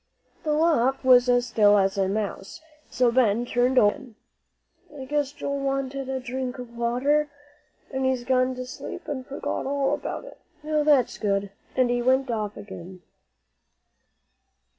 The loft was as still as a mouse, so Ben turned over again. "I guess Joel wanted a drink of water, and he's gone to sleep and forgot all about it. Now, that's good," and off he went again.